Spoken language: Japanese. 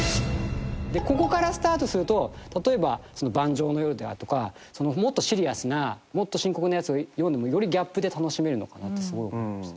ここからスタートすると例えば『盤上の夜』であるとかもっとシリアスなもっと深刻なやつを読んでもよりギャップで楽しめるのかなってすごい思いました。